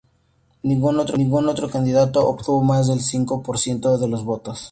Ningún otro candidato obtuvo más del cinco por ciento de los votos.